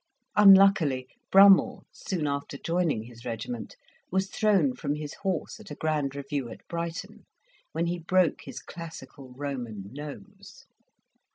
Unluckily, Brummell, soon after joining his regiment, was thrown from his horse at a grand review at Brighton, when he broke his classical Roman nose.